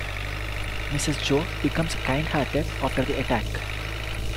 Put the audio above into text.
Mrs Joe becomes kind-hearted after the attack.